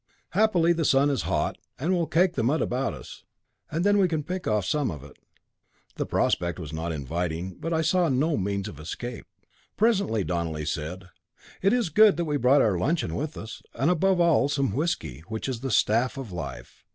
Happily the sun is hot, and will cake the mud about us, and then we can pick off some of it." The prospect was not inviting. But I saw no means of escape. Presently Donelly said: "It is good that we brought our luncheon with us, and above all some whisky, which is the staff of life.